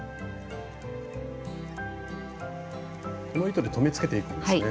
この糸で留めつけていくんですね。